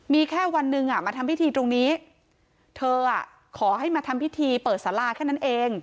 มีแค่วันหนึ่งอ่ะมาทำพิธีตรงนี้เธอขอให้มาทำพิธีเปิดสาราแค่นั้นเอง